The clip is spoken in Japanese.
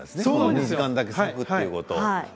２時間だけ咲くということを。